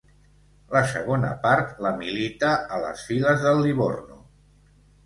La segona part la milita a les files del Livorno.